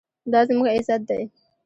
دا زموږ عزت دی؟